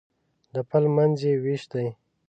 د پل منځ یې وېش دی.